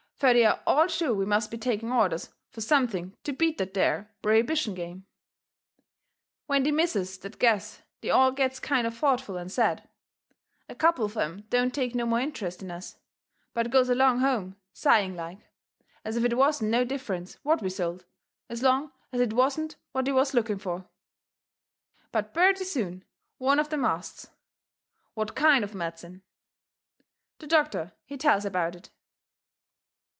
Fur they are all sure we must be taking orders fur something to beat that there prohibition game. When they misses that guess they all gets kind of thoughtful and sad. A couple of 'em don't take no more interest in us, but goes along home sighing like, as if it wasn't no difference WHAT we sold as long as it wasn't what they was looking fur. But purty soon one of them asts: "What KIND of medicine?" The doctor, he tells about it.